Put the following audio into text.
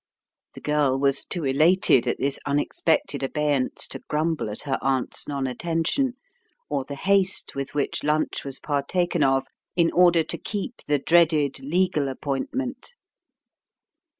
The girl was too In the Tiger's Clutches 85 elated at this unexpected abeyance to grumble at her aunt's non attention, or the haste with which lunch was partaken of in order to keep the dreaded legal appointment.